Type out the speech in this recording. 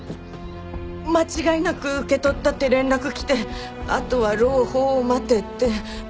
間違いなく受け取ったって連絡来てあとは朗報を待てって。